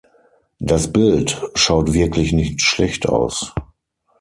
Das Bild schaut wirklich nicht schlecht aus.